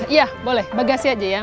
iya boleh bagasi aja ya